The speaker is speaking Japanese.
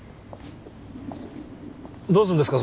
どうすんですか？